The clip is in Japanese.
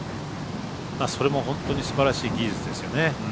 それも本当に素晴らしい技術ですよね。